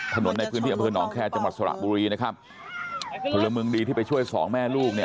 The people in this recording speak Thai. ถนนในพื้นที่อำเภอหนองแคร์จังหวัดสระบุรีนะครับพลเมืองดีที่ไปช่วยสองแม่ลูกเนี่ย